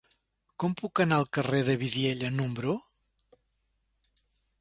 Com puc anar al carrer de Vidiella número u?